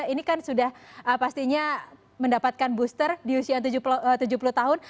ini kan sudah pastinya mendapatkan booster di usia tujuh puluh tahun